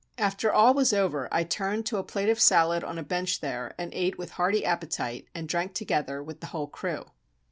After all was over, I turned to a plate of salad on a bench there, and ate with hearty appetite, and drank together with the whole crew.